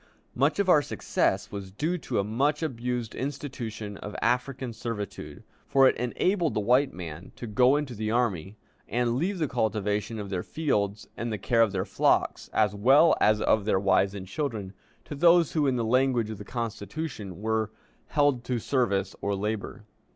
Much of our success was due to the much abused institution of African servitude, for it enabled the white men to go into the army, and leave the cultivation of their fields and the care of their flocks, as well as of their wives and children, to those who, in the language of the Constitution, were "held to service or labor."